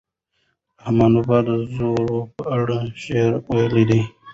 رحمان بابا د زور په اړه شعر ویلی دی.